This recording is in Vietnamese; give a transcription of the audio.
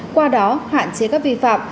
qua đó hạn chế các vi phạm